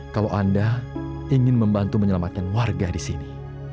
kalau anda ingin membantu menyelamatkan warga di sini